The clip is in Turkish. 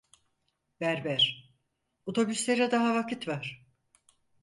Berber: "Otobüslere daha vakit var."